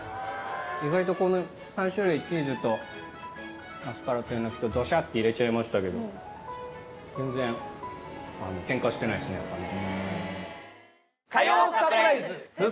意外とこの３種類チーズとアスパラとえのきとドシャって入れちゃいましたけど全然ケンカしてないですねやっぱね。